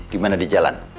gimana di jalan